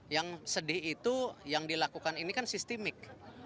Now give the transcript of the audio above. yang sedih itu yang dilakukan ini kan sistemik